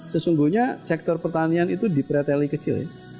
sesungguhnya sektor pertanian itu di preteli kecil